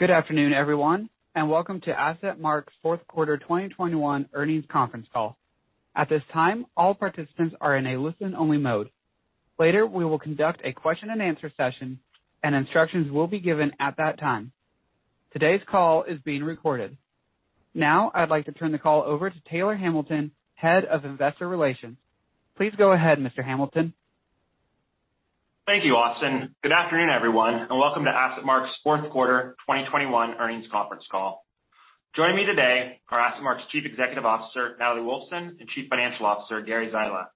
Good afternoon, everyone, and welcome to AssetMark's Q4 2021 earnings conference call. At this time, all participants are in a listen-only mode. Later, we will conduct a question and answer session, and instructions will be given at that time. Today's call is being recorded. Now, I'd like to turn the call over to Taylor Hamilton, Head of Investor Relations. Please go ahead, Mr. Hamilton. Thank you, Austin. Good afternoon, everyone, and welcome to AssetMark's Q4 2021 earnings conference call. Joining me today are AssetMark's Chief Executive Officer, Natalie Wolfsen, and Chief Financial Officer, Gary Zyla.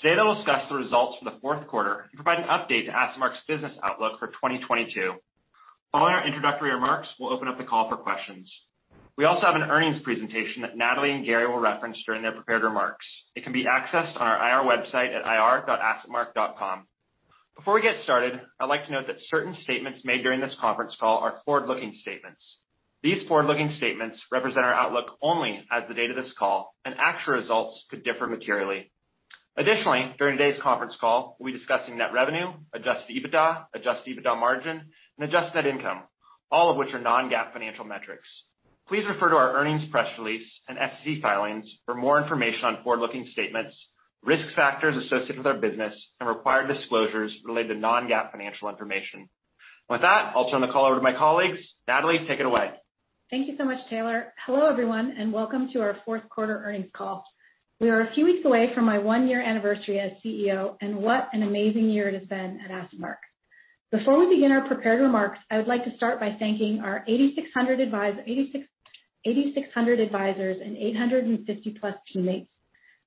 Today, they'll discuss the results from the Q4 and provide an update to AssetMark's business outlook for 2022. Following our introductory remarks, we'll open up the call for questions. We also have an earnings presentation that Natalie and Gary will reference during their prepared remarks. It can be accessed on our IR website at ir.assetmark.com. Before we get started, I'd like to note that certain statements made during this conference call are forward-looking statements. These forward-looking statements represent our outlook only as of the date of this call, and actual results could differ materially. Additionally, during today's conference call, we'll be discussing net revenue, adjusted EBITDA, adjusted EBITDA margin, and adjusted net income, all of which are non-GAAP financial metrics. Please refer to our earnings press release and SEC filings for more information on forward-looking statements, risk factors associated with our business, and required disclosures related to non-GAAP financial information. With that, I'll turn the call over to my colleagues. Natalie, take it away. Thank you so much, Taylor. Hello, everyone, and welcome to our Q4 earnings call. We are a few weeks away from my 1-year anniversary as CEO, and what an amazing year it has been at AssetMark. Before we begin our prepared remarks, I would like to start by thanking our 8,600 advisors and 850+ teammates.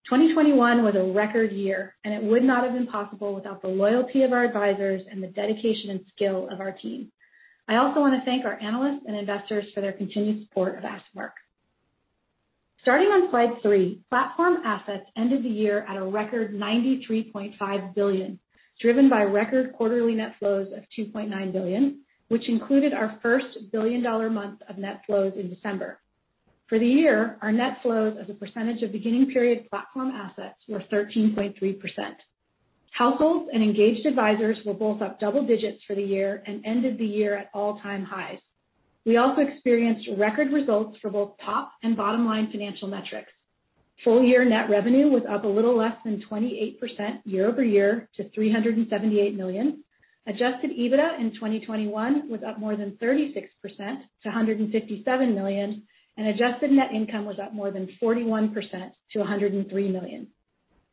2021 was a record year, and it would not have been possible without the loyalty of our advisors and the dedication and skill of our team. I also wanna thank our analysts and investors for their continued support of AssetMark. Starting on slide 3, platform assets ended the year at a record $93.5 billion, driven by record quarterly net flows of $2.9 billion, which included our first billion-dollar month of net flows in December. For the year, our net flows as a percentage of beginning period platform assets were 13.3%. Households and engaged advisors were both up double digits for the year and ended the year at all-time highs. We also experienced record results for both top and bottom line financial metrics. Full year net revenue was up a little less than 28% year-over-year to $378 million. Adjusted EBITDA in 2021 was up more than 36% to $157 million, and adjusted net income was up more than 41% to $103 million.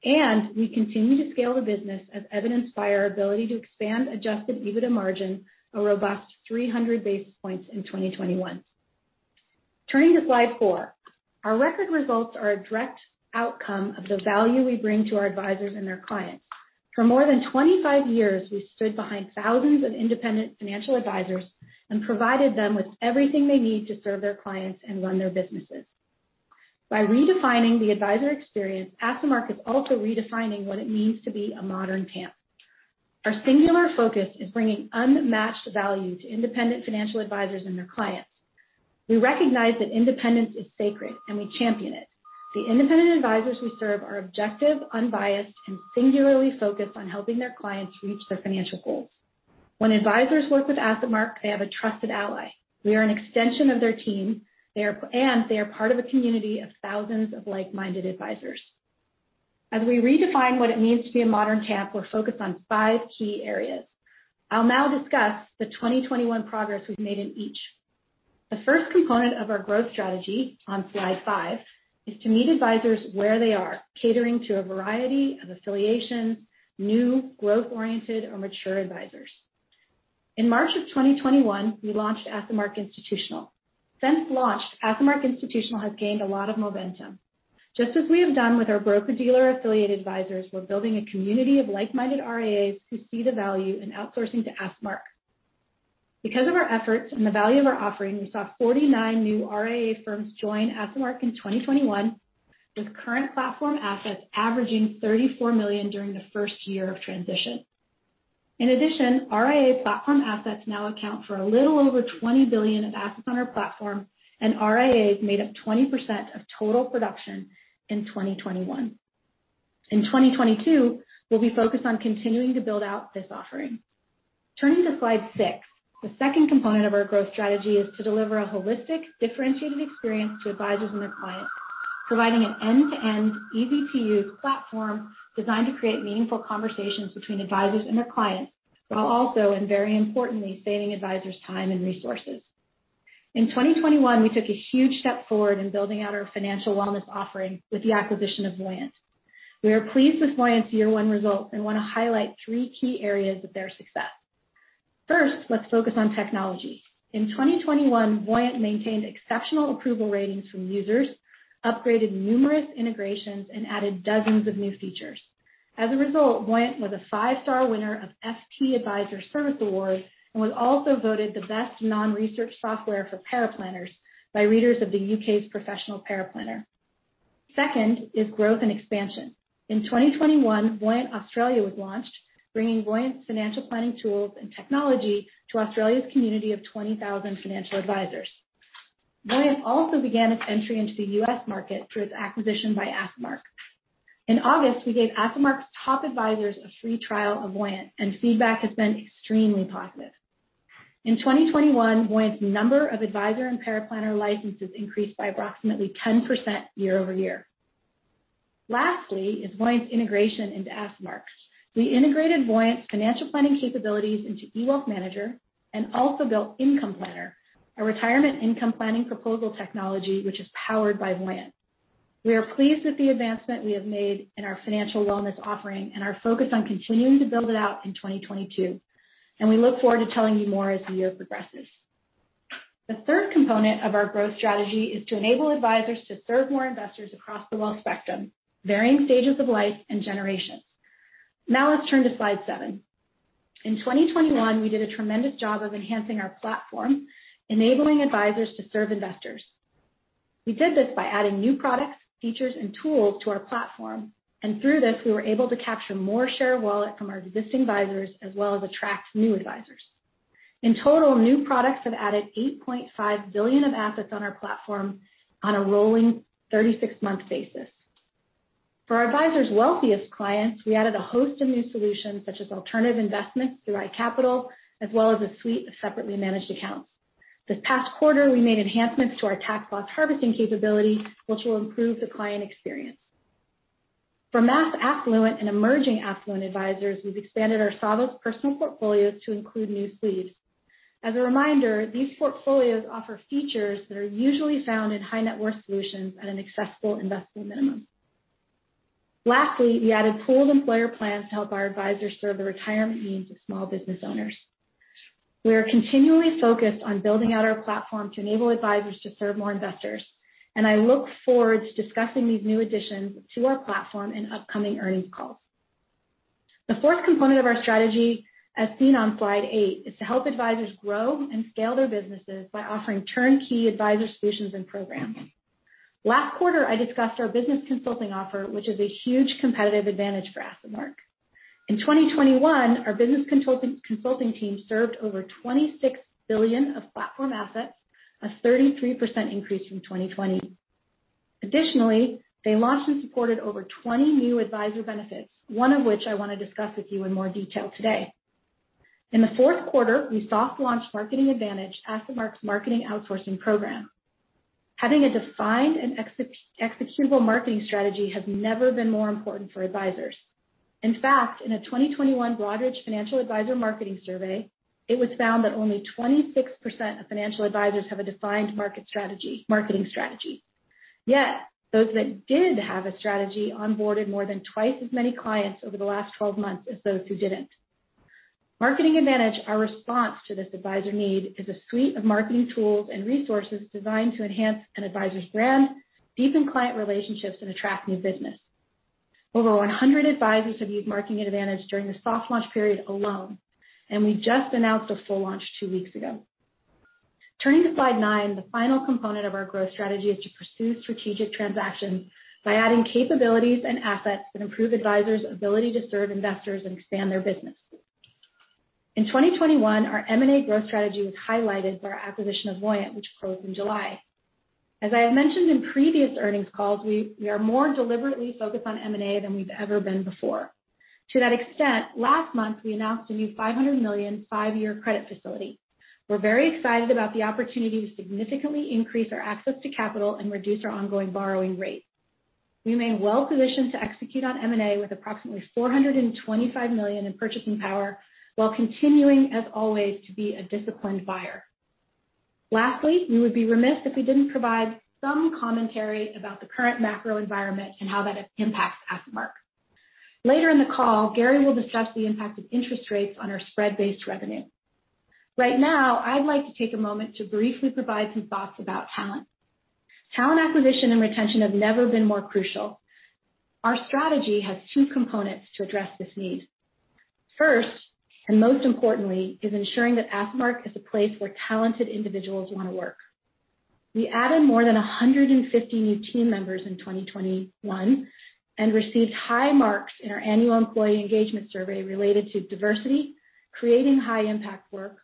We continue to scale the business as evidenced by our ability to expand adjusted EBITDA margin, a robust 300 basis points in 2021. Turning to slide four. Our record results are a direct outcome of the value we bring to our advisors and their clients. For more than 25 years, we've stood behind thousands of independent financial advisors and provided them with everything they need to serve their clients and run their businesses. By redefining the advisor experience, AssetMark is also redefining what it means to be a modern TAMP. Our singular focus is bringing unmatched value to independent financial advisors and their clients. We recognize that independence is sacred, and we champion it. The independent advisors we serve are objective, unbiased, and singularly focused on helping their clients reach their financial goals. When advisors work with AssetMark, they have a trusted ally. We are an extension of their team. They are part of a community of thousands of like-minded advisors. As we re-define what it means to be a modern TAMP, we're focused on 5 key areas. I'll now discuss the 2021 progress we've made in each. The first component of our growth strategy, on slide 5, is to meet advisors where they are, catering to a variety of affiliations, new growth-oriented or mature advisors. In March 2021, we launched AssetMark Institutional. Since launched, AssetMark Institutional has gained a lot of momentum. Just as we have done with our broker-dealer affiliate advisors, we're building a community of like-minded RIAs who see the value in outsourcing to AssetMark. Because of our efforts and the value of our offering, we saw 49 new RIA firms join AssetMark in 2021, with current platform assets averaging $34 million during the first year of transition. In addition, RIA platform assets now account for a little over $20 billion of assets on our platform, and RIAs made up 20% of total production in 2021. In 2022, we'll be focused on continuing to build out this offering. Turning to slide 6. The second component of our growth strategy is to deliver a holistic, differentiated experience to advisors and their clients, providing an end-to-end, easy-to-use platform designed to create meaningful conversations between advisors and their clients, while also, and very importantly, saving advisors time and resources. In 2021, we took a huge step forward in building out our financial wellness offering with the acquisition of Voyant. We are pleased with Voyant's year one results and wanna highlight three key areas of their success. First, let's focus on technology. In 2021, Voyant maintained exceptional approval ratings from users, upgraded numerous integrations, and added dozens of new features. As a result, Voyant was a five-star winner of FTAdviser Service Award and was also voted the best non-research software for paraplanners by readers of the U.K.'s Professional Paraplanner. Second is growth and expansion. In 2021, Voyant Australia was launched, bringing Voyant's financial planning tools and technology to Australia's community of 20,000 financial advisors. Voyant also began its entry into the U.S. market through its acquisition by AssetMark. In August, we gave AssetMark's top advisors a free trial of Voyant, and feedback has been extremely positive. In 2021, Voyant's number of advisor and paraplanner licenses increased by approximately 10% year-over-year. Lastly is Voyant's integration into AssetMark's. We integrated Voyant's financial planning capabilities into eWealthManager and also built Income Planner, a retirement income planning proposal technology which is powered by Voyant. We are pleased with the advancement we have made in our financial wellness offering and are focused on continuing to build it out in 2022, and we look forward to telling you more as the year progresses. The third component of our growth strategy is to enable advisors to serve more investors across the wealth spectrum, varying stages of life and generations. Now let's turn to slide 7. In 2021, we did a tremendous job of enhancing our platform, enabling advisors to serve investors. We did this by adding new products, features and tools to our platform, and through this we were able to capture more share of wallet from our existing advisors, as well as attract new advisors. In total, new products have added $8.5 billion of assets on our platform on a rolling 36-month basis. For our advisors' wealthiest clients, we added a host of new solutions such as alternative investments through iCapital, as well as a suite of separately managed accounts. This past quarter we made enhancements to our tax-loss harvesting capability, which will improve the client experience. For mass affluent and emerging affluent advisors, we've expanded our Savos Personal Portfolios to include new suites. As a reminder, these portfolios offer features that are usually found in high net worth solutions at an accessible investment minimum. Lastly, we added Pooled Employer Plans to help our advisors serve the retirement needs of small business owners. We are continually focused on building out our platform to enable advisors to serve more investors, and I look forward to discussing these new additions to our platform in upcoming earnings calls. The fourth component of our strategy, as seen on slide 8, is to help advisors grow and scale their businesses by offering turnkey advisor solutions and programming. Last quarter I discussed our business consulting offer, which is a huge competitive advantage for AssetMark. In 2021, our business consulting team served over $26 billion of platform assets, a 33% increase from 2020. Additionally, they launched and supported over 20 new advisor benefits, one of which I want to discuss with you in more detail today. In the Q4, we soft launched Marketing Advantage, AssetMark's marketing outsourcing program. Having a defined and executable marketing strategy has never been more important for advisors. In fact, in a 2021 Broadridge financial advisor marketing survey, it was found that only 26% of financial advisors have a defined marketing strategy. Yet those that did have a strategy onboarded more than twice as many clients over the last 12 months as those who didn't. Marketing Advantage, our response to this advisor need, is a suite of marketing tools and resources designed to enhance an advisor's brand, deepen client relationships and attract new business. Over 100 advisors have used Marketing Advantage during the soft launch period alone, and we just announced the full launch 2 weeks ago. Turning to slide 9, the final component of our growth strategy is to pursue strategic transactions by adding capabilities and assets that improve advisors' ability to serve investors and expand their business. In 2021, our M&A growth strategy was highlighted by our acquisition of Voyant, which closed in July. As I have mentioned in previous earnings calls, we are more deliberately focused on M&A than we've ever been before. To that extent, last month we announced a new $500 million five-year credit facility. We're very excited about the opportunity to significantly increase our access to capital and reduce our ongoing borrowing rate. We remain well positioned to execute on M&A with approximately $425 million in purchasing power while continuing, as always, to be a disciplined buyer. Lastly, we would be remiss if we didn't provide some commentary about the current macro environment and how that impacts AssetMark. Later in the call, Gary will discuss the impact of interest rates on our spread-based revenue. Right now, I'd like to take a moment to briefly provide some thoughts about talent. Talent acquisition and retention have never been more crucial. Our strategy has two components to address this need. First, and most importantly, is ensuring that AssetMark is a place where talented individuals want to work. We added more than 150 new team members in 2021 and received high marks in our annual employee engagement survey related to diversity, creating high impact work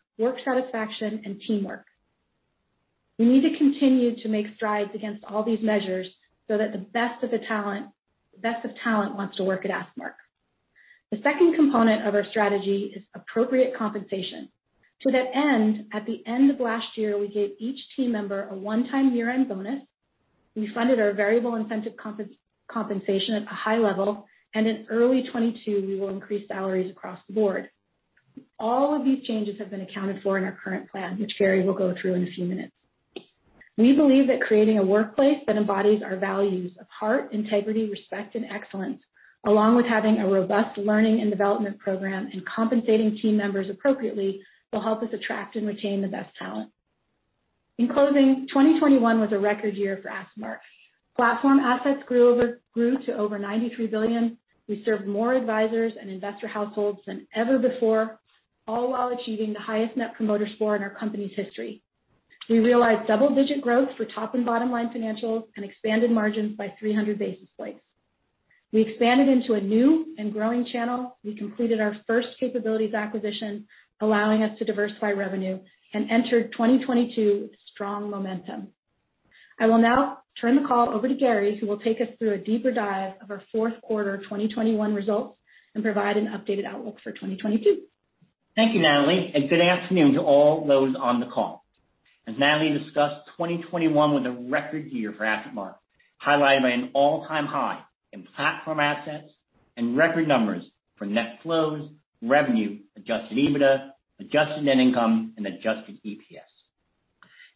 satisfaction and teamwork. We need to continue to make strides against all these measures so that the best of talent wants to work at AssetMark. The second component of our strategy is appropriate compensation. To that end, at the end of last year, we gave each team member a one-time year-end bonus. We funded our variable incentive compensation at a high level, and in early 2022 we will increase salaries across the board. All of these changes have been accounted for in our current plan, which Gary will go through in a few minutes. We believe that creating a workplace that embodies our values of heart, integrity, respect and excellence, along with having a robust learning and development program and compensating team members appropriately, will help us attract and retain the best talent. In closing, 2021 was a record year for AssetMark. Platform assets grew to over $93 billion. We served more advisors and investor households than ever before, all while achieving the highest Net Promoter Score in our company's history. We realized double-digit growth for top and bottom line financials and expanded margins by 300 basis points. We expanded into a new and growing channel. We completed our first capabilities acquisition, allowing us to diversify revenue and enter 2022 with strong momentum. I will now turn the call over to Gary, who will take us through a deeper dive of our Q4 2021 results and provide an updated outlook for 2022. Thank you, Natalie, and good afternoon to all those on the call. As Natalie discussed, 2021 was a record year for AssetMark, highlighted by an all-time high in platform assets and record numbers for net flows, revenue, adjusted EBITDA, adjusted net income and adjusted EPS.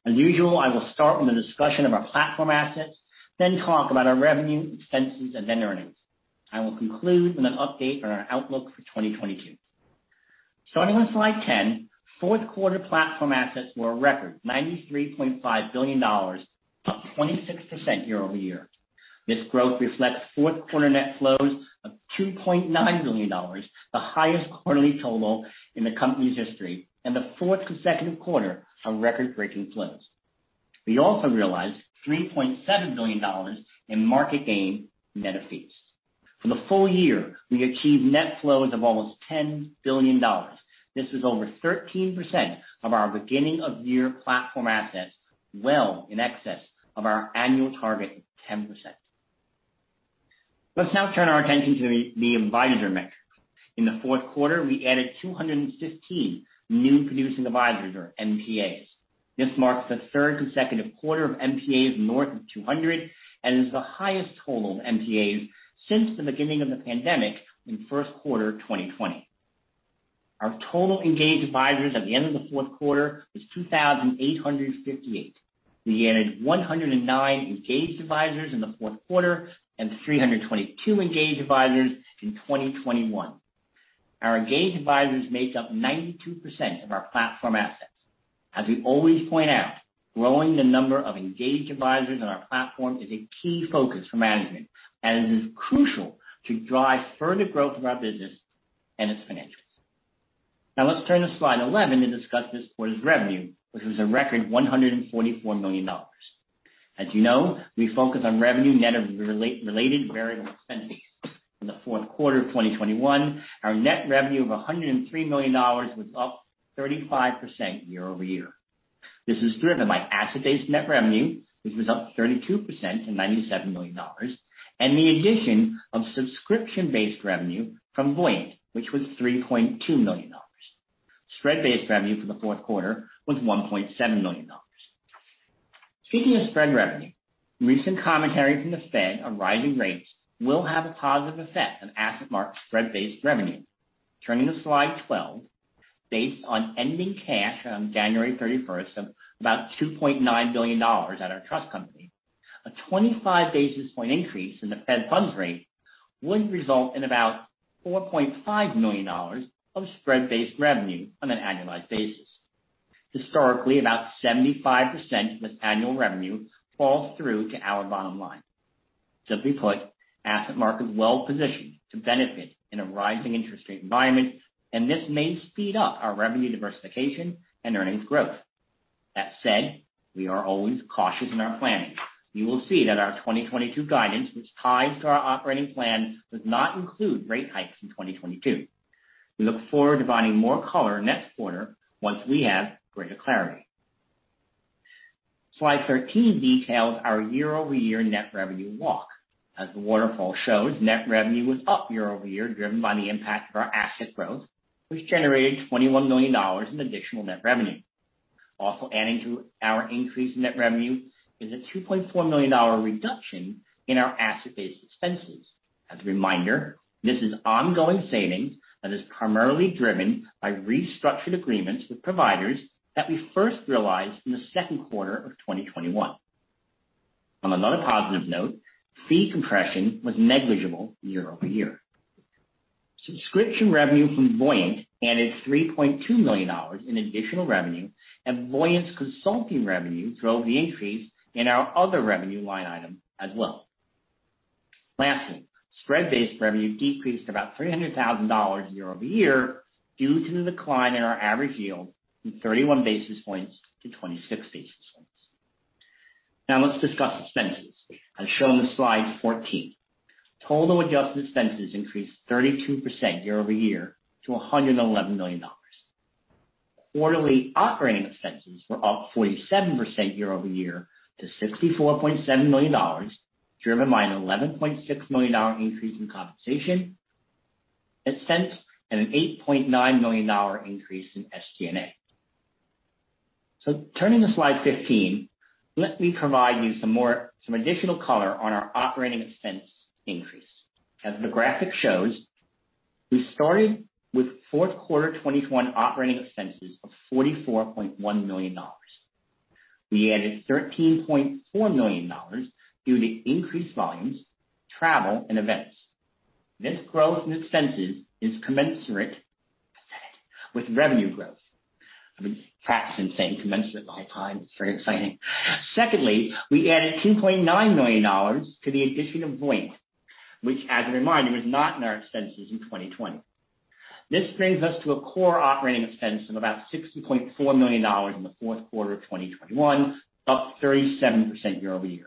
As usual, I will start with a discussion of our platform assets, then talk about our revenue, expenses and then earnings. I will conclude with an update on our outlook for 2022. Starting on slide 10. Q4 platform assets were a record $93.5 billion, up 26% year-over-year. This growth reflects Q4 net flows of $2.9 billion, the highest quarterly total in the company's history, and the fourth consecutive quarter of record-breaking flows. We also realized $3.7 billion in market gain net of fees. For the full year, we achieved net flows of almost $10 billion. This is over 13% of our beginning of year platform assets, well in excess of our annual target of 10%. Let's now turn our attention to the advisor metric. In the Q4, we added 215 new producing advisors or MPAs. This marks the third consecutive quarter of MPAs north of 200 and is the highest total of MPAs since the beginning of the pandemic in Q1 2020. Our total engaged advisors at the end of the Q4 was 2,858. We added 109 engaged advisors in the Q4 and 322 engaged advisors in 2021. Our engaged advisors make up 92% of our platform assets. As we always point out, growing the number of engaged advisors on our platform is a key focus for management, as it is crucial to drive further growth of our business and its financials. Now let's turn to slide 11 to discuss this quarter's revenue, which was a record $144 million. As you know, we focus on revenue net of related variable expenses. In the Q4 of 2021, our net revenue of $103 million was up 35% year-over-year. This is driven by asset-based net revenue, which was up 32% to $97 million, and the addition of subscription-based revenue from Voyant, which was $3.2 million. Spread-based revenue for the Q4 was $1.7 million. Speaking of spread revenue, recent commentary from the Fed on rising rates will have a positive effect on AssetMark's spread-based revenue. Turning to slide 12. Based on ending cash on January 31 of about $2.9 billion at our trust company, a 25 basis point increase in the Fed funds rate would result in about $4.5 million of spread-based revenue on an annualized basis. Historically, about 75% of this annual revenue falls through to our bottom line. Simply put, AssetMark is well positioned to benefit in a rising interest rate environment, and this may speed up our revenue diversification and earnings growth. That said, we are always cautious in our planning. You will see that our 2022 guidance, which ties to our operating plan, does not include rate hikes in 2022. We look forward to providing more color next quarter once we have greater clarity. Slide 13 details our year-over-year net revenue walk. As the waterfall shows, net revenue was up year-over-year, driven by the impact of our asset growth, which generated $21 million in additional net revenue. Also adding to our increased net revenue is a $2.4 million reduction in our asset-based expenses. As a reminder, this is ongoing savings that is primarily driven by restructured agreements with providers that we first realized in the Q2 of 2021. On another positive note, fee compression was negligible year-over-year. Subscription revenue from Voyant added $3.2 million in additional revenue, and Voyant's consulting revenue drove the increase in our other revenue line item as well. Lastly, spread-based revenue decreased about $300,000 year-over-year due to the decline in our average yield from 31 basis points to 26 basis points. Now let's discuss expenses as shown on slide 14. Total adjusted expenses increased 32% year-over-year to $111 million. Quarterly operating expenses were up 47% year-over-year to $64.7 million, driven by an $11.6 million increase in compensation expense and an $8.9 million increase in SG&A. Turning to slide 15, let me provide you some more, some additional color on our operating expense increase. As the graphic shows, we started with Q4 2021 operating expenses of $44.1 million. We added $13.4 million due to increased volumes, travel and events. This growth in expenses is commensurate with revenue growth. I've been practicing saying commensurate my whole time. It's very exciting. Secondly, we added $2.9 million to the addition of Voyant, which as a reminder, was not in our expenses in 2020. This brings us to a core operating expense of about $60.4 million in the Q4 of 2021, up 37% year-over-year.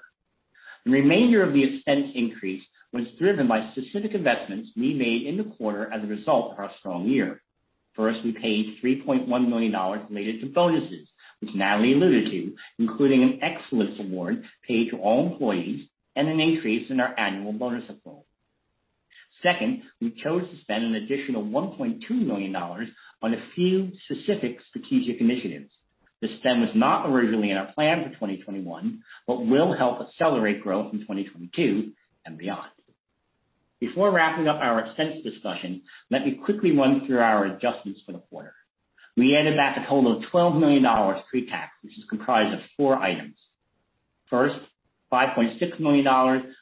The remainder of the expense increase was driven by specific investments we made in the quarter as a result of our strong year. First, we paid $3.1 million related to bonuses, which Natalie alluded to, including an excellence award paid to all employees and an increase in our annual bonus pool. Second, we chose to spend an additional $1.2 million on a few specific strategic initiatives. This spend was not originally in our plan for 2021 but will help accelerate growth in 2022 and beyond. Before wrapping up our expense discussion, let me quickly run through our adjustments for the quarter. We added back a total of $12 million pre-tax, which is comprised of four items. First, $5.6 million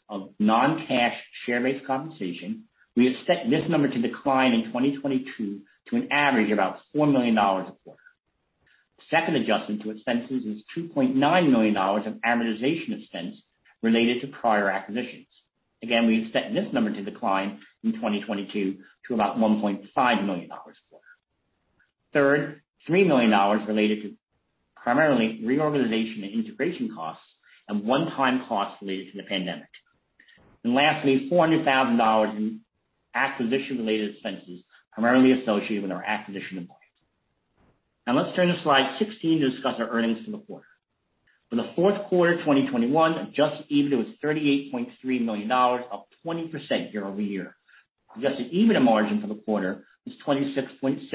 of non-cash share-based compensation. We expect this number to decline in 2022 to an average of about $4 million a quarter. The second adjustment to expenses is $2.9 million of amortization expense related to prior acquisitions. Again, we expect this number to decline in 2022 to about $1.5 million a quarter. Third, $3 million related to primarily reorganization and integration costs and one-time costs related to the pandemic. Lastly, $400,000 in acquisition-related expenses, primarily associated with our acquisition of Voyant. Now let's turn to slide 16 to discuss our earnings for the quarter. For the Q4 of 2021, adjusted EBITDA was $38.3 million, up 20% year-over-year. Adjusted EBITDA margin for the quarter was 26.7%,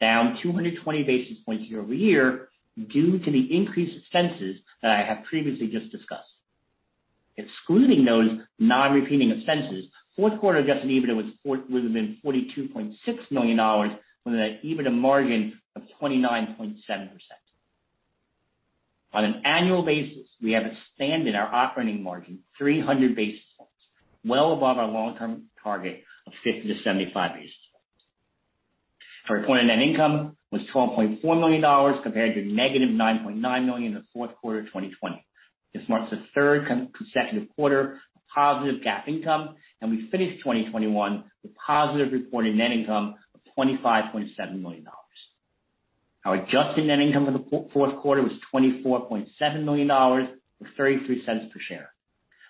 down 220 basis points year-over-year due to the increased expenses that I have previously just discussed. Excluding those non-recurring expenses, Q4 adjusted EBITDA would have been $42.6 million with an EBITDA margin of 29.7%. On an annual basis, we have expanded our operating margin 300 basis points, well above our long-term target of 50-75 basis points. Our reported net income was $12.4 million compared to -$9.9 million in the Q4 of 2020. This marks the third consecutive quarter of positive GAAP income, and we finished 2021 with positive reported net income of $25.7 million. Our adjusted net income for the Q4 was $24.7 million, or $0.33 per share.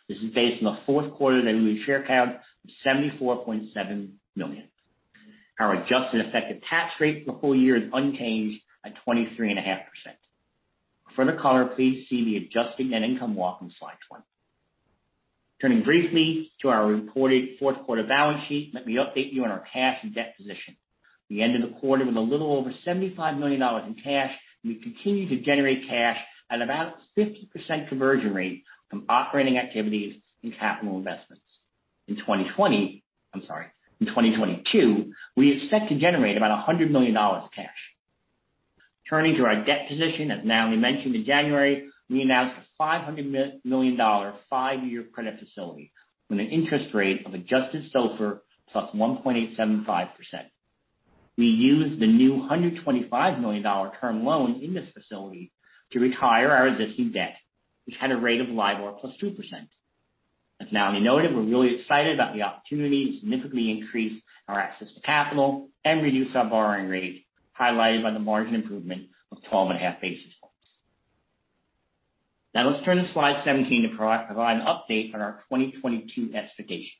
This is based on the Q4 diluted share count of 74.7 million. Our adjusted effective tax rate for the full year is unchanged at 23.5%. For further color, please see the adjusted net income walk on slide 20. Turning briefly to our reported Q4 balance sheet. Let me update you on our cash and debt position. We ended the quarter with a little over $75 million in cash. We continue to generate cash at about 50% conversion rate from operating activities and capital investments. In 2022, we expect to generate about $100 million cash. Turning to our debt position, as Natalie mentioned, in January, we announced a $500 million five-year credit facility with an interest rate of adjusted SOFR plus 1.875%. We used the new $125 million term loan in this facility to retire our existing debt, which had a rate of LIBOR plus 2%. As Natalie noted, we're really excited about the opportunity to significantly increase our access to capital and reduce our borrowing rate, highlighted by the margin improvement of 12.5 basis points. Now let's turn to slide 17 to provide an update on our 2022 expectations.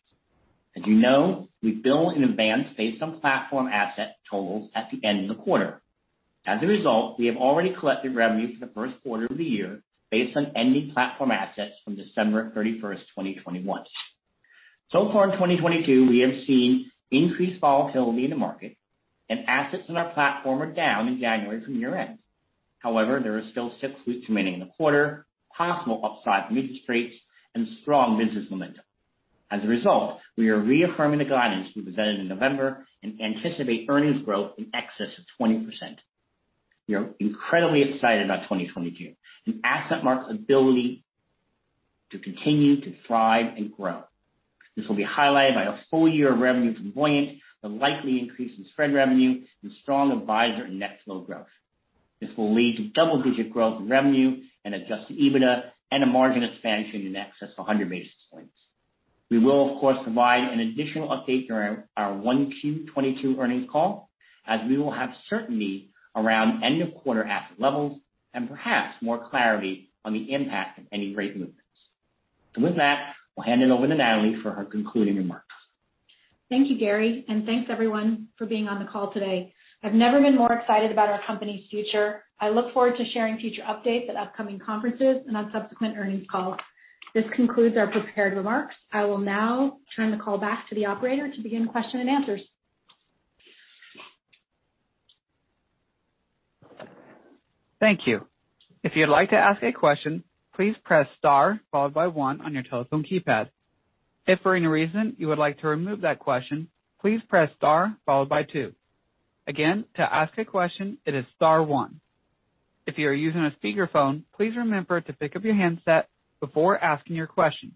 If you know, we bill in advance based on platform asset totals at the end of the quarter. As a result, we have already collected revenue for the Q1 of the year based on ending platform assets from December 31, 2021. So far in 2022, we have seen increased volatility in the market and assets in our platform are down in January from year end. However, there are still 6 weeks remaining in the quarter, possible upside from interest rates and strong business momentum. As a result, we are reaffirming the guidance we presented in November and anticipate earnings growth in excess of 20%. We are incredibly excited about 2022 and AssetMark's ability to continue to thrive and grow. This will be highlighted by a full year of revenue from Voyant, the likely increase in spread revenue and strong advisor and net flow growth. This will lead to double-digit growth in revenue and adjusted EBITDA and a margin expansion in excess of 100 basis points. We will, of course, provide an additional update during our 1Q 2022 earnings call, as we will have certainty around end of quarter asset levels and perhaps more clarity on the impact of any rate movements. With that, I'll hand it over to Natalie for her concluding remarks. Thank you, Gary, and thanks everyone for being on the call today. I've never been more excited about our company's future. I look forward to sharing future updates at upcoming conferences and on subsequent earnings calls. This concludes our prepared remarks. I will now turn the call back to the operator to begin question and answers. Thankyou, if you like to ask question please press star one on the cellphone keypad, if for reason you want to remove the question please press star four two, Again to ask the question is star one, pick your answer before asking question.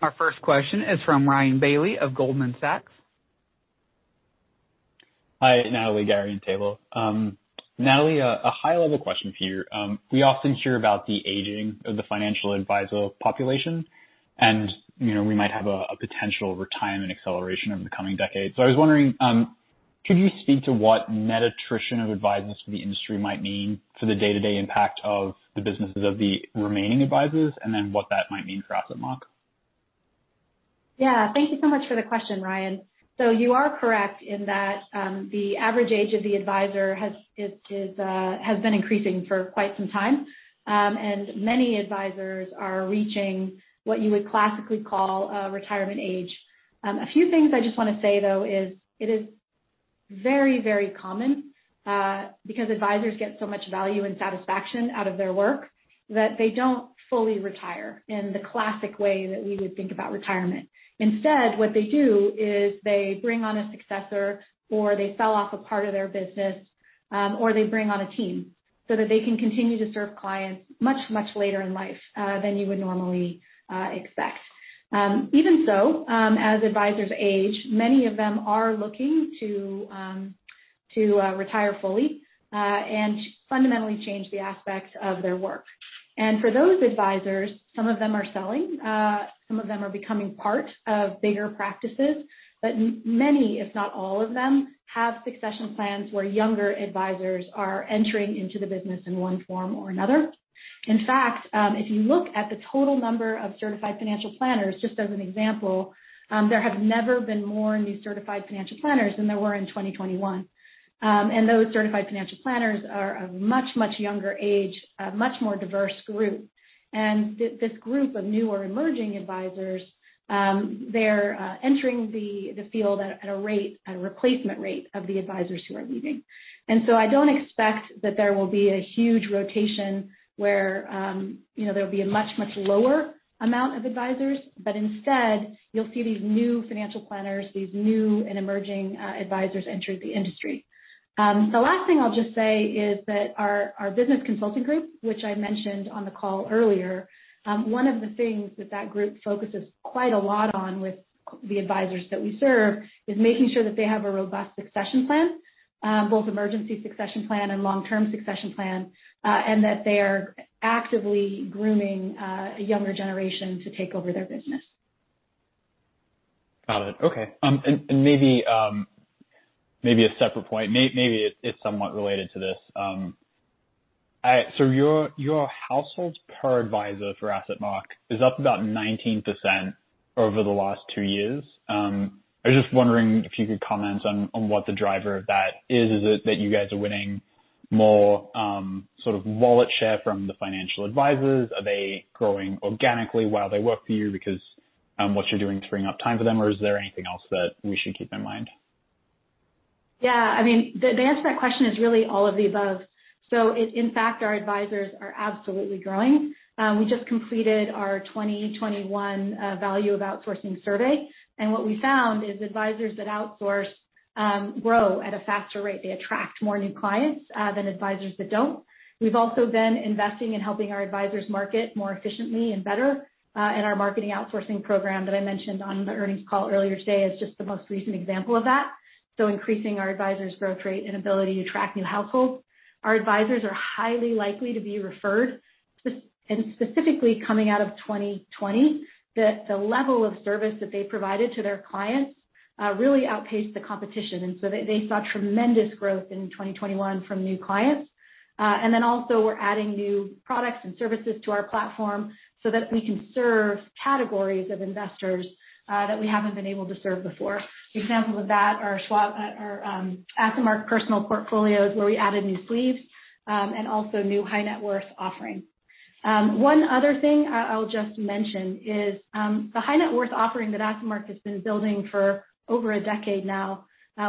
Our first question is from Ryan Bailey of Goldman Sachs. Hi, Natalie, Gary, and Taylor. Natalie, a high-level question for you. We often hear about the aging of the financial advisor population, and, you know, we might have a potential retirement acceleration over the coming decades. I was wondering, could you speak to what net attrition of advisors for the industry might mean for the day-to-day impact of the businesses of the remaining advisors, and then what that might mean for AssetMark? Yeah. Thank you so much for the question, Ryan. You are correct in that the average age of the advisor has been increasing for quite some time. Many advisors are reaching what you would classically call retirement age. A few things I just wanna say, though, is that it is very, very common because advisors get so much value and satisfaction out of their work that they don't fully retire in the classic way that we would think about retirement. Instead, what they do is they bring on a successor, or they sell off a part of their business, or they bring on a team so that they can continue to serve clients much, much later in life than you would normally expect. Even so, as advisors age, many of them are looking to retire fully and fundamentally change the aspects of their work. For those advisors, some of them are selling, some of them are becoming part of bigger practices. Many, if not all of them, have succession plans where younger advisors are entering into the business in one form or another. In fact, if you look at the total number of Certified Financial Planners, just as an example, there have never been more new Certified Financial Planners than there were in 2021. Those Certified Financial Planners are a much, much younger age, a much more diverse group. This group of new or emerging advisors, they're entering the field at a rate, a replacement rate of the advisors who are leaving. I don't expect that there will be a huge rotation where, you know, there'll be a much lower amount of advisors. Instead, you'll see these new financial planners, these new and emerging advisors enter the industry. The last thing I'll just say is that our business consulting group, which I mentioned on the call earlier, one of the things that group focuses quite a lot on with the advisors that we serve is making sure that they have a robust succession plan, both emergency succession plan and long-term succession plan, and that they are actively grooming a younger generation to take over their business. Got it. Okay. Maybe a separate point. Maybe it's somewhat related to this. Your households per advisor for AssetMark is up about 19% over the last two years. I was just wondering if you could comment on what the driver of that is. Is it that you guys are winning more sort of wallet share from the financial advisors? Are they growing organically while they work for you because what you're doing is freeing up time for them, or is there anything else that we should keep in mind? Yeah. I mean, the answer to that question is really all of the above. In fact, our advisors are absolutely growing. We just completed our 2021 value of outsourcing survey, and what we found is advisors that outsource grow at a faster rate. They attract more new clients than advisors that don't. We've also been investing in helping our advisors market more efficiently and better, and our marketing outsourcing program that I mentioned on the earnings call earlier today is just the most recent example of that, increasing our advisors' growth rate and ability to attract new households. Our advisors are highly likely to be referred. And specifically coming out of 2020, the level of service that they provided to their clients really outpaced the competition. They saw tremendous growth in 2021 from new clients. We're adding new products and services to our platform so that we can serve categories of investors that we haven't been able to serve before. Examples of that are Savos or AssetMark Personal Portfolios where we added new sleeves, and also new high net worth offerings. One other thing I'll just mention is the high net worth offering that AssetMark has been building for over a decade now.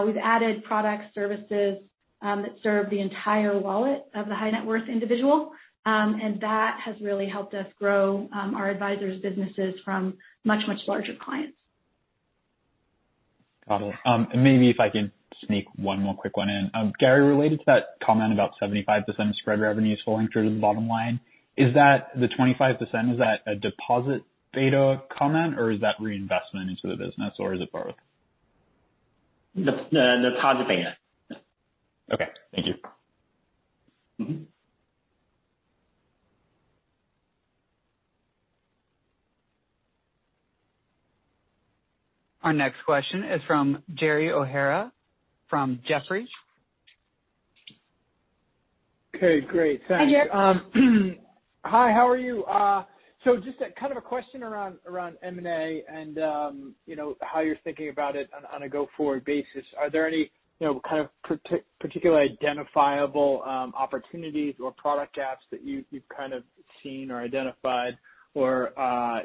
We've added products, services that serve the entire wallet of the high net worth individual. That has really helped us grow our advisors' businesses from much larger clients. Got it. Maybe if I can sneak one more quick one in. Gary, related to that comment about 75% of subscriber revenues flowing through to the bottom line, is that the 25%, is that a deposit beta comment, or is it reinvestment into the business, or is it both? The deposit beta. Okay. Thank you. Mm-hmm. Our next question is from Gerald O'Hara from Jefferies. Okay, great. Thanks. Hi, Gerald. Hi, how are you? So just a kind of a question around M&A and, you know, how you're thinking about it on a go-forward basis. Are there any, you know, kind of particular identifiable opportunities or product gaps that you've kind of seen or identified? Or,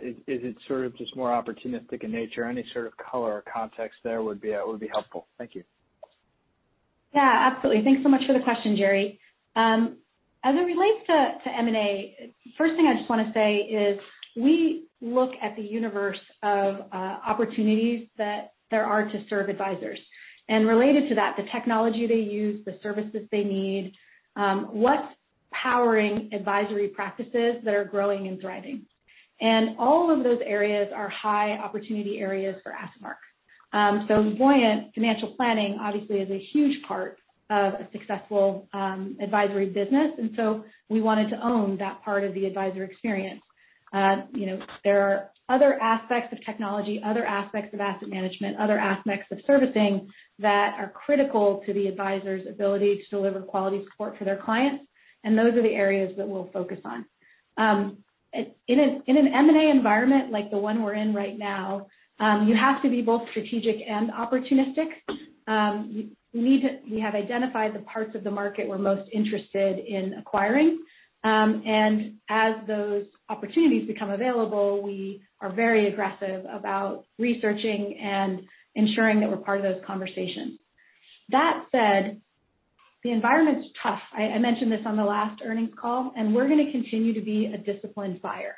is it sort of just more opportunistic in nature? Any sort of color or context there would be helpful. Thank you. Yeah. Absolutely. Thanks so much for the question, Jerry. As it relates to M&A, first thing I just wanna say is we look at the universe of opportunities that there are to serve advisors. Related to that, the technology they use, the services they need, powering advisory practices that are growing and thriving. All of those areas are high opportunity areas for AssetMark. So Voyant Financial Planning obviously is a huge part of a successful advisory business, and so we wanted to own that part of the advisor experience. You know, there are other aspects of technology, other aspects of asset management, other aspects of servicing that are critical to the advisor's ability to deliver quality support to their clients, and those are the areas that we'll focus on. In an M&A environment like the one we're in right now, you have to be both strategic and opportunistic. We have identified the parts of the market we're most interested in acquiring. As those opportunities become available, we are very aggressive about researching and ensuring that we're part of those conversations. That said, the environment's tough. I mentioned this on the last earnings call, and we're gonna continue to be a disciplined buyer.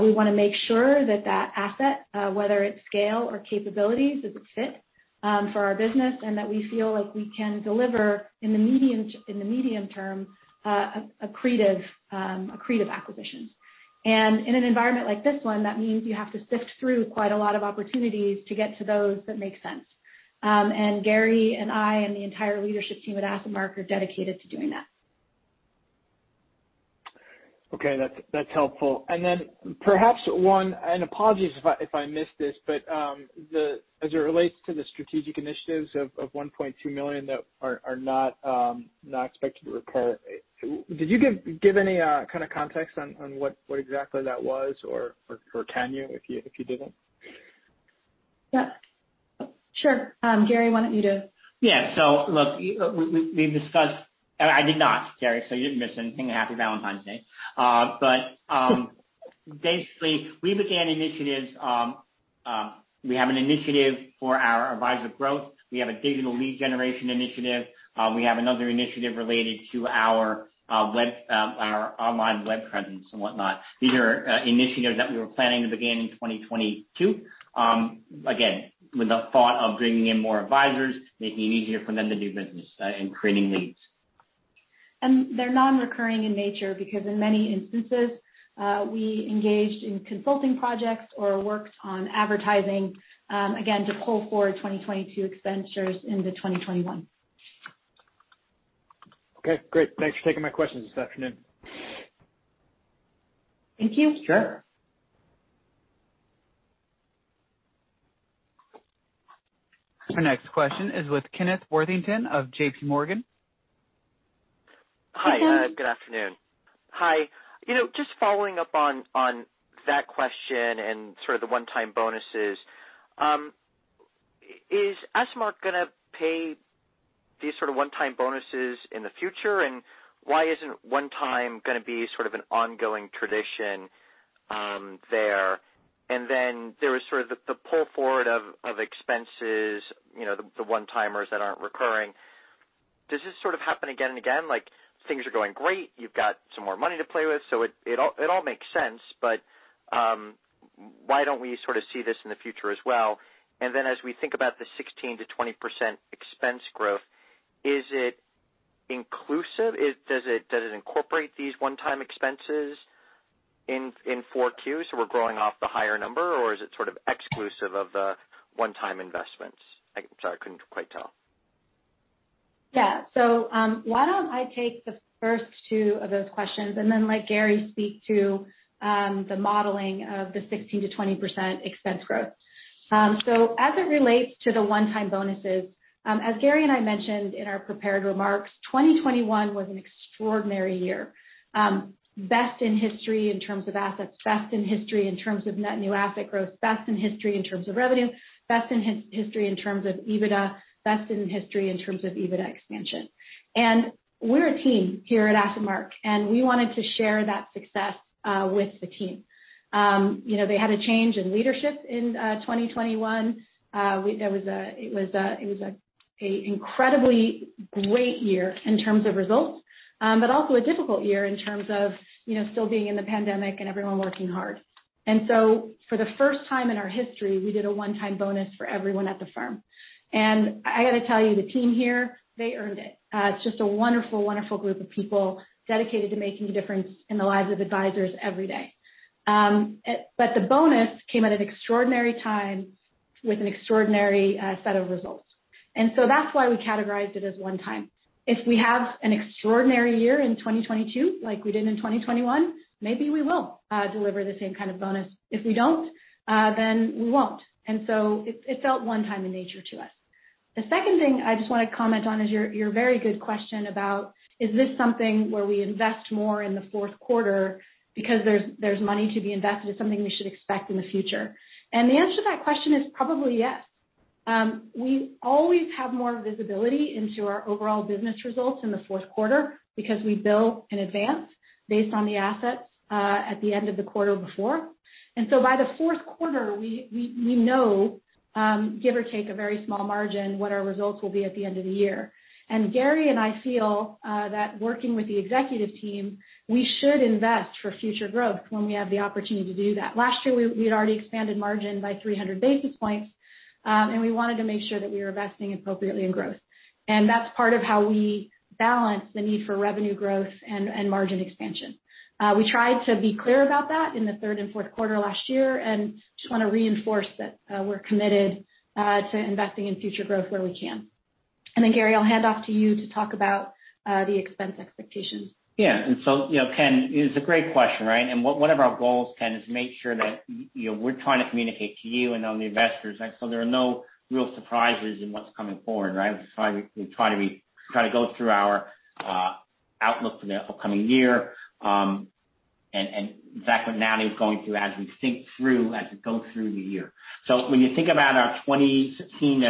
We wanna make sure that that asset, whether it's scale or capabilities, is a fit for our business, and that we feel like we can deliver in the medium term accretive acquisitions. In an environment like this one, that means you have to sift through quite a lot of opportunities to get to those that make sense. Gary and I and the entire leadership team at AssetMark are dedicated to doing that. Okay. That's helpful. Then perhaps one and apologies if I missed this, but as it relates to the strategic initiatives of $1.2 million that are not expected to recur, did you give any kind of context on what exactly that was or can you, if you didn't? Yeah. Sure. Gary, why don't you do? Yeah. Look, we've discussed. I did not, Gary, so you didn't miss anything. Happy Valentine's Day. Basically, we began initiatives. We have an initiative for our advisor growth. We have a digital lead generation initiative. We have another initiative related to our web, our online web presence and whatnot. These are initiatives that we were planning to begin in 2022, again, with the thought of bringing in more advisors, making it easier for them to do business, and creating leads. They're non-recurring in nature because in many instances, we engaged in consulting projects or worked on advertising, again, to pull forward 2022 expenditures into 2021. Okay. Great. Thanks for taking my questions this afternoon. Thank you. Sure. Our next question is with Kenneth Worthington of JPMorgan. Hello. Hi. Good afternoon. You know, just following up on that question and sort of the one-time bonuses. Is AssetMark gonna pay these sort of one-time bonuses in the future? Why isn't one time gonna be sort of an ongoing tradition there? Then there was sort of the pull forward of expenses, you know, the one-timers that aren't recurring. Does this sort of happen again and again? Like, things are going great. You've got some more money to play with, so it all makes sense. Why don't we sort of see this in the future as well? Then as we think about the 16%-20% expense growth, is it inclusive? Does it incorporate these one-time expenses in 4Q, so we're growing off the higher number? Is it sort of exclusive of the one-time investments? I'm sorry, I couldn't quite tell. Yeah. Why don't I take the first two of those questions and then let Gary speak to the modeling of the 16%-20% expense growth. As it relates to the one-time bonuses, as Gary and I mentioned in our prepared remarks, 2021 was an extraordinary year, best in history in terms of assets, best in history in terms of net new asset growth, best in history in terms of revenue, best in history in terms of EBITDA, best in history in terms of EBITDA expansion. We're a team here at AssetMark, and we wanted to share that success with the team. You know, they had a change in leadership in 2021. It was an incredibly great year in terms of results, but also a difficult year in terms of, you know, still being in the pandemic and everyone working hard. For the first time in our history, we did a one-time bonus for everyone at the firm. I gotta tell you, the team here, they earned it. It's just a wonderful group of people dedicated to making a difference in the lives of advisors every day. But the bonus came at an extraordinary time with an extraordinary set of results. That's why we categorized it as one time. If we have an extraordinary year in 2022, like we did in 2021, maybe we will deliver the same kind of bonus. If we don't, then we won't. It felt one time in nature to us. The second thing I just wanna comment on is your very good question about, is this something where we invest more in the Q4 because there's money to be invested, it's something we should expect in the future? The answer to that question is probably yes. We always have more visibility into our overall business results in the Q4 because we bill in advance based on the assets at the end of the quarter before. By the Q4, we know, give or take a very small margin, what our results will be at the end of the year. Gary and I feel that working with the executive team, we should invest for future growth when we have the opportunity to do that. Last year, we had already expanded margin by 300 basis points, and we wanted to make sure that we were investing appropriately in growth. That's part of how we balance the need for revenue growth and margin expansion. We tried to be clear about that in the third and Q4 last year, and just wanna reinforce that, we're committed to investing in future growth where we can. Gary, I'll hand off to you to talk about the expense expectations. Yeah, you know, Ken, it is a great question, right? One of our goals, Ken, is to make sure that you know, we're trying to communicate to you and all the investors, right, so there are no real surprises in what's coming forward, right? We try to go through our outlook for the upcoming year and exactly what Natalie is going through as we go through the year. When you think about our 2016,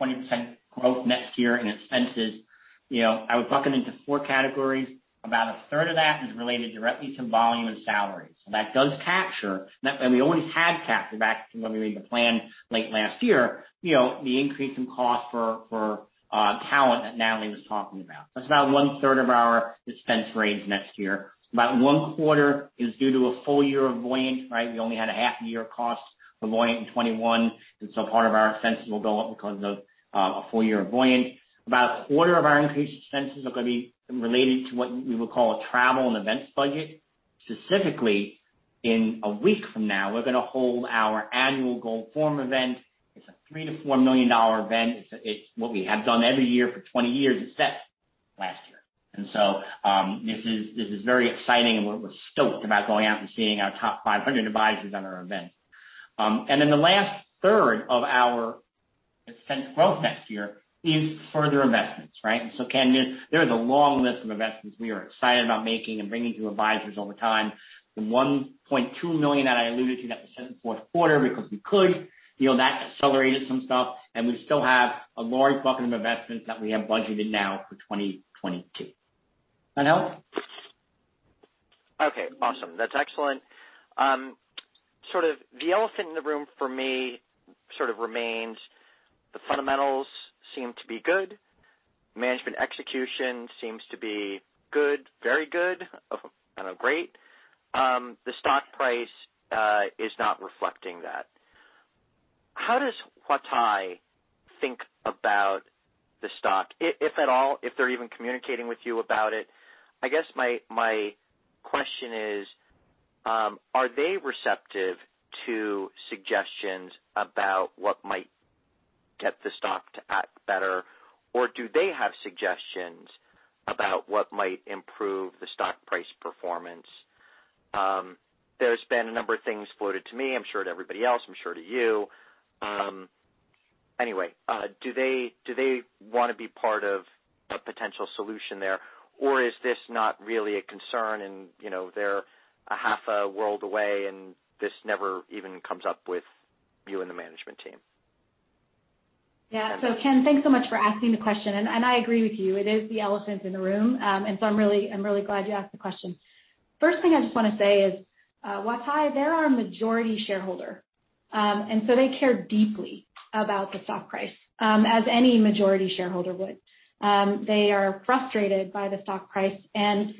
20% growth next year in expenses, you know, I would bucket into four categories. About a third of that is related directly to volume and salary. That does capture, and that's when we always had captured back to when we made the plan late last year, you know, the increase in cost for talent that Natalie was talking about. That's about one third of our expense raise next year. About one quarter is due to a full year of Voyant, right? We only had a half year cost for Voyant in 2021, and so part of our expenses will go up because of a full year of Voyant. About a quarter of our increased expenses are gonna be related to what we would call a travel and events budget. Specifically, in a week from now, we're gonna hold our annual Gold Forum event. It's a $3 million-$4 million event. It's what we have done every year for 20 years, except last year. This is very exciting, and we're stoked about going out and seeing our top 500 advisors on our event. The last third of our expense growth next year is further investments, right? Ken, there is a long list of investments we are excited about making and bringing to advisors all the time. The $1.2 million that I alluded to that was set in the Q4 because we could, you know, that accelerated some stuff, and we still have a large bucket of investments that we have budgeted now for 2022. Natalie? Okay, awesome. That's excellent. Sort of the elephant in the room for me sort of remains the fundamentals seem to be good. Management execution seems to be good, very good. I don't know, great. The stock price is not reflecting that. How does Huatai think about the stock, if at all, if they're even communicating with you about it? I guess my question is, are they receptive to suggestions about what might get the stock to act better? Or do they have suggestions about what might improve the stock price performance? There's been a number of things floated to me, I'm sure to everybody else, I'm sure to you. Anyway, do they wanna be part of a potential solution there? Is this not really a concern and, you know, they're a half a world away and this never even comes up with you and the management team? Yeah. Ken, thanks so much for asking the question. I agree with you, it is the elephant in the room. I'm really glad you asked the question. First thing I just wanna say is, Huatai, they're our majority shareholder. They care deeply about the stock price, as any majority shareholder would. They are frustrated by the stock price and,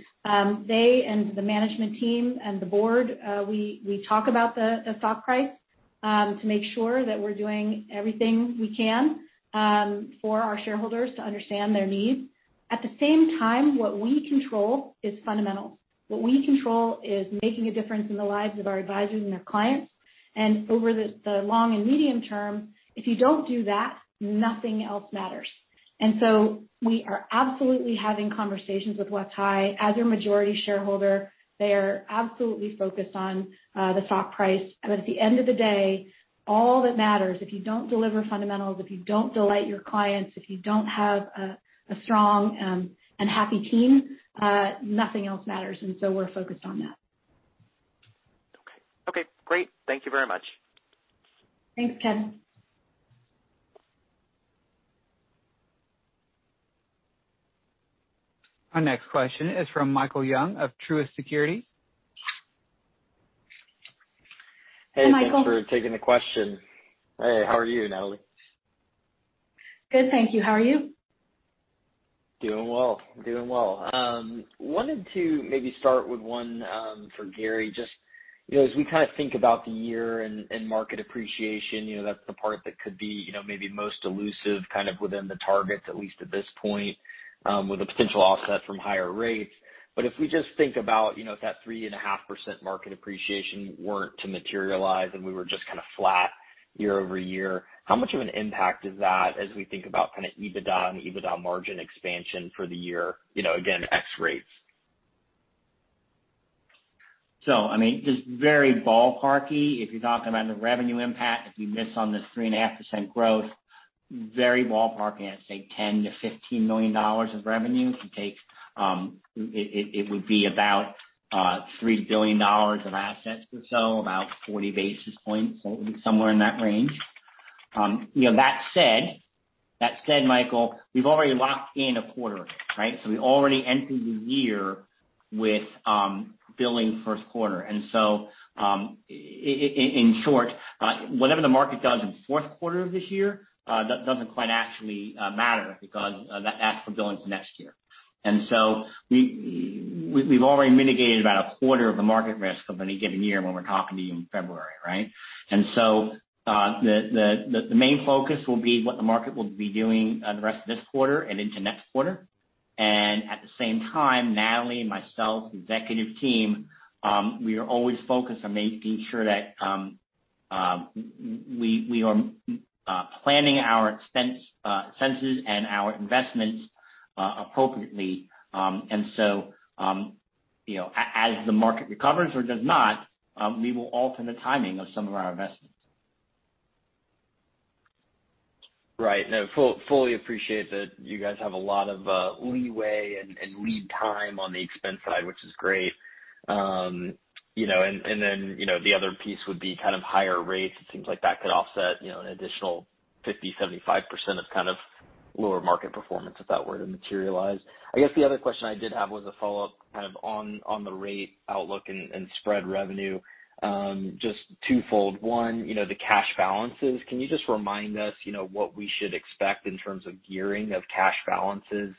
they and the management team and the board, we talk about the stock price, to make sure that we're doing everything we can, for our shareholders to understand their needs. At the same time, what we control is fundamentals. What we control is making a difference in the lives of our advisors and their clients. Over the long and medium term, if you don't do that, nothing else matters. We are absolutely having conversations with Huatai. As our majority shareholder, they are absolutely focused on the stock price. At the end of the day, all that matters, if you don't deliver fundamentals, if you don't delight your clients, if you don't have a strong and happy team, nothing else matters. We're focused on that. Okay. Okay, great. Thank you very much. Thanks, Ken. Our next question is from Michael Young of Truist Securities. Hey. Michael. Thanks for taking the question. Hey, how are you, Natalie? Good, thank you. How are you? Doing well. Wanted to maybe start with one for Gary. Just, you know, as we kind of think about the year and market appreciation, you know, that's the part that could be, you know, maybe most elusive kind of within the targets, at least at this point, with a potential offset from higher rates. If we just think about, you know, if that 3.5% market appreciation weren't to materialize and we were just kind of flat year-over-year, how much of an impact is that as we think about kind of EBITDA and EBITDA margin expansion for the year? You know, again, ex rates. I mean, just very ballparky, if you're talking about the revenue impact, if we miss on the 3.5% growth, very ballparky, I'd say $10 million-$15 million of revenue. If you take it would be about $3 billion of assets or so, about 40 basis points. So it would be somewhere in that range. You know, that said, Michael, we've already locked in a quarter, right? We already entered the year with billing Q1. In short, whatever the market does in Q4 of this year, that doesn't quite actually matter because that's for billing for next year. We've already mitigated about a quarter of the market risk of any given year when we're talking to you in February, right? The main focus will be what the market will be doing the rest of this quarter and into next quarter. At the same time, Natalie and myself, the executive team, we are always focused on making sure that we are planning our expenses and our investments appropriately. You know, as the market recovers or does not, we will alter the timing of some of our investments. Right. No, fully appreciate that you guys have a lot of leeway and lead time on the expense side, which is great. You know, the other piece would be kind of higher rates. It seems like that could offset an additional 50%-75% of kind of lower market performance if that were to materialize. I guess the other question I did have was a follow-up kind of on the rate outlook and spread revenue, just twofold. One, you know, the cash balances. Can you just remind us, you know, what we should expect in terms of gearing of cash balances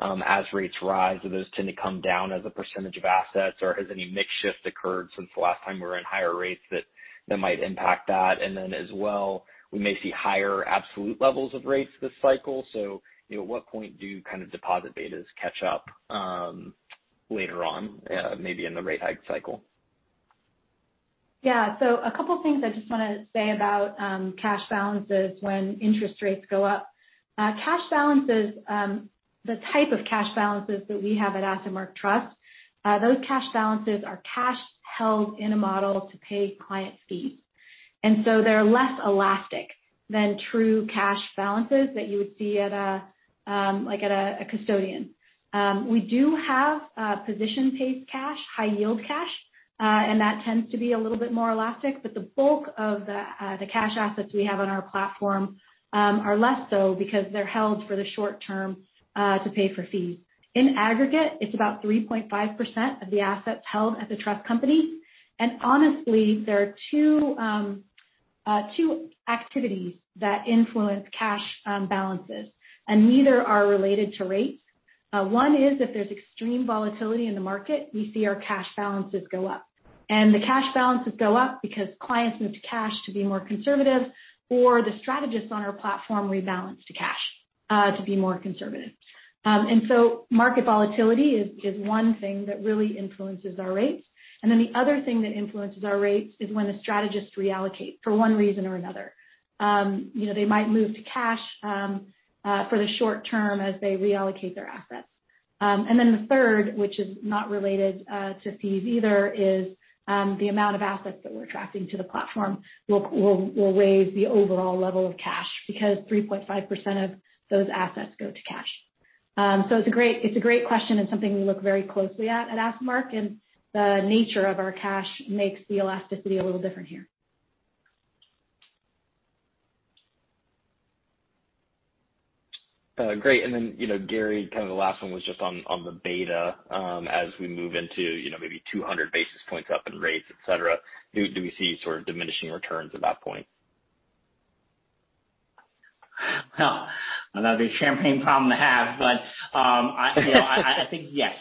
as rates rise? Do those tend to come down as a percentage of assets, or has any mix shift occurred since the last time we were in higher rates that might impact that? We may see higher absolute levels of rates this cycle. You know, at what point do kind of deposit betas catch up, later on, maybe in the rate hike cycle? Yeah. A couple things I just wanna say about cash balances when interest rates go up. Cash balances, the type of cash balances that we have at AssetMark Trust, those cash balances are cash held in a model to pay client fees. They're less elastic than true cash balances that you would see at a custodian. We do have position-paced cash, high-yield cash, and that tends to be a little bit more elastic, but the bulk of the cash assets we have on our platform are less so because they're held for the short term to pay for fees. In aggregate, it's about 3.5% of the assets held at the trust company. Honestly, there are two activities that influence cash balances, and neither are related to rates. One is if there's extreme volatility in the market, we see our cash balances go up. The cash balances go up because clients move to cash to be more conservative, or the strategists on our platform rebalance to cash to be more conservative. Market volatility is one thing that really influences our rates. Then the other thing that influences our rates is when the strategists reallocate for one reason or another. You know, they might move to cash for the short term as they reallocate their assets. The third, which is not related to fees either, is the amount of assets that we're attracting to the platform will raise the overall level of cash because 3.5% of those assets go to cash. It's a great question and something we look very closely at at AssetMark, and the nature of our cash makes the elasticity a little different here. Great. Then, you know, Gary, kind of the last one was just on the beta, as we move into, you know, maybe 200 basis points up in rates, et cetera. Do we see sort of diminishing returns at that point? Well, that would be a champagne problem to have. You know, I think yes.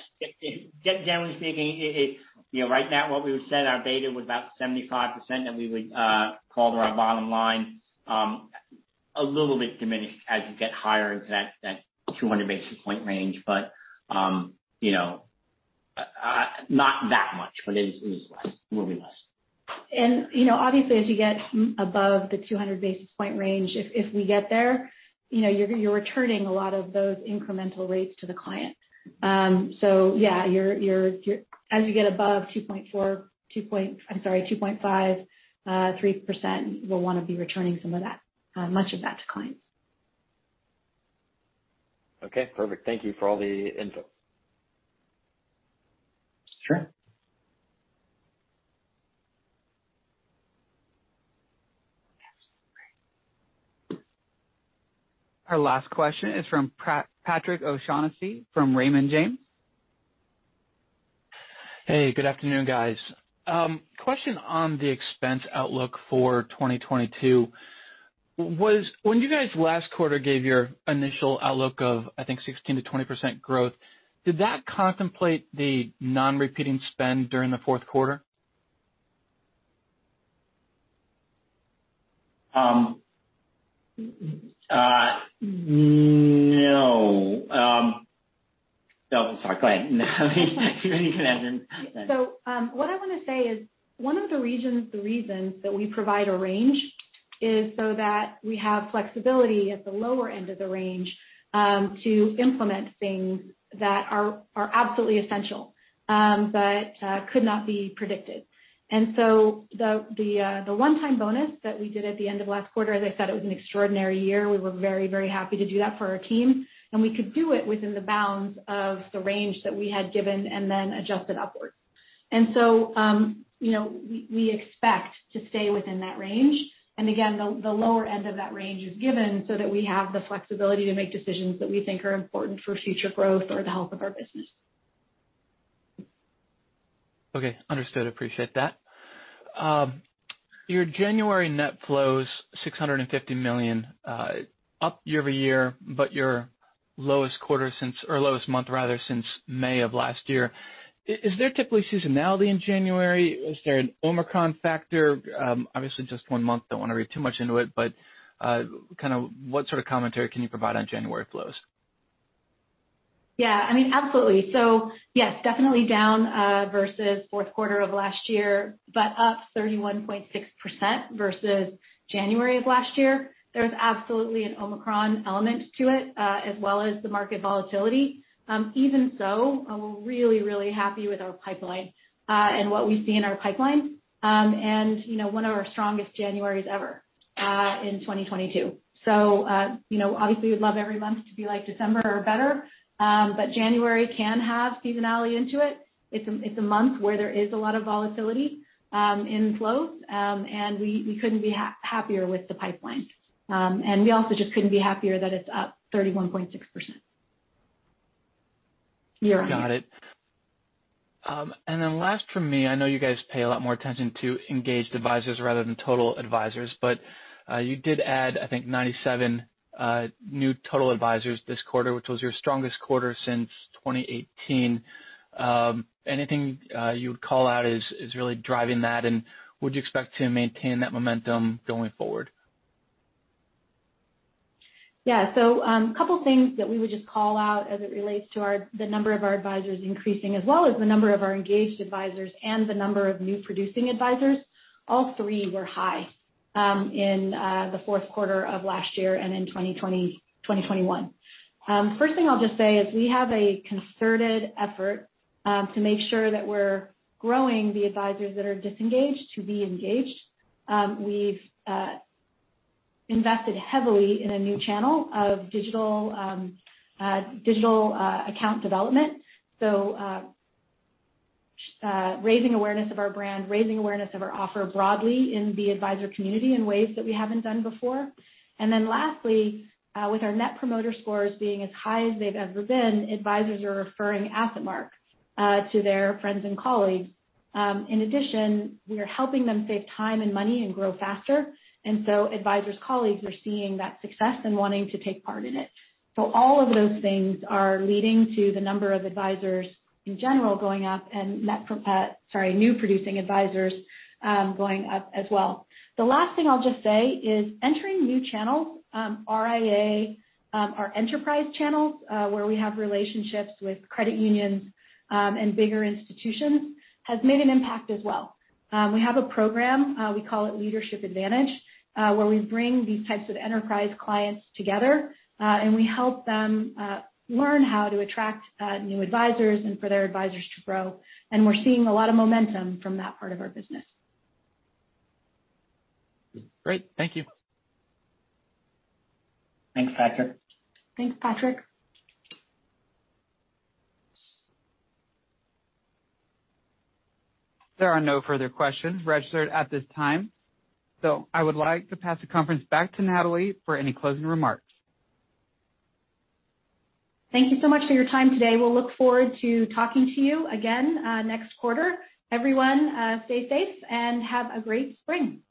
Generally speaking, you know, right now what we would say our beta was about 75% that we would flow to our bottom line, a little bit diminished as you get higher into that 200 basis points range. You know, not that much, but it is less. It will be less. You know, obviously, as you get above the 200 basis point range, if we get there, you know, as you get above 2.4, I'm sorry, 2.5, 3%, we'll wanna be returning some of that, much of that to clients. Okay, perfect. Thank you for all the info. Sure. Our last question is from Patrick O'Shaughnessy from Raymond James. Hey, good afternoon, guys. Question on the expense outlook for 2022. When you guys last quarter gave your initial outlook of, I think, 16%-20% growth, did that contemplate the non-recurring spend during the Q4? No, sorry, go ahead. Natalie, you can answer. What I wanna say is one of the reasons that we provide a range is so that we have flexibility at the lower end of the range to implement things that are absolutely essential, but could not be predicted. The one-time bonus that we did at the end of last quarter, as I said, it was an extraordinary year. We were very happy to do that for our team, and we could do it within the bounds of the range that we had given and then adjusted upwards. You know, we expect to stay within that range. Again, the lower end of that range is given so that we have the flexibility to make decisions that we think are important for future growth or the health of our business. Okay. Understood. Appreciate that. Your January net flows $650 million up year-over-year, but your lowest month rather since May of last year. Is there typically seasonality in January? Is there an Omicron factor? Obviously just one month, don't wanna read too much into it, but kind of what sort of commentary can you provide on January flows? Yeah. I mean, absolutely. Yes, definitely down versus Q4 of last year, but up 31.6% versus January of last year. There's absolutely an Omicron element to it as well as the market volatility. Even so, I'm really happy with our pipeline and what we see in our pipeline, and you know, one of our strongest Januaries ever in 2022. You know, obviously we'd love every month to be like December or better, but January can have seasonality into it. It's a month where there is a lot of volatility in flows, and we couldn't be happier with the pipeline. We also just couldn't be happier that it's up 31.6% year-on-year. Got it. Last from me, I know you guys pay a lot more attention to engaged advisors rather than total advisors, but you did add, I think 97 new total advisors this quarter, which was your strongest quarter since 2018. Anything you would call out is really driving that, and would you expect to maintain that momentum going forward? Couple things that we would just call out as it relates to the number of our advisors increasing as well as the number of our engaged advisors and the number of new producing advisors. All three were high in the Q4 of last year and in 2020, 2021. First thing I'll just say is we have a concerted effort to make sure that we're growing the advisors that are disengaged to be engaged. We've invested heavily in a new channel of digital account development, raising awareness of our brand, raising awareness of our offer broadly in the advisor community in ways that we haven't done before. Lastly, with our Net Promoter Scores being as high as they've ever been, advisors are referring AssetMark to their friends and colleagues. In addition, we are helping them save time and money and grow faster. Advisors' colleagues are seeing that success and wanting to take part in it. All of those things are leading to the number of advisors in general going up and new producing advisors going up as well. The last thing I'll just say is entering new channels, RIA, our enterprise channels, where we have relationships with credit unions and bigger institutions, has made an impact as well. We have a program we call Leadership Advantage, where we bring these types of enterprise clients together, and we help them learn how to attract new advisors and for their advisors to grow. We're seeing a lot of momentum from that part of our business. Great. Thank you. Thanks, Patrick. Thanks, Patrick. There are no further questions registered at this time, so I would like to pass the conference back to Natalie for any closing remarks. Thank you so much for your time today. We'll look forward to talking to you again, next quarter. Everyone, stay safe and have a great spring.